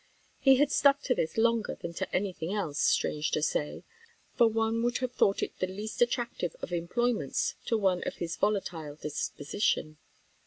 He had stuck to this longer than to any thing else, strange to say; for one would have thought it the least attractive of employments to one of his volatile disposition.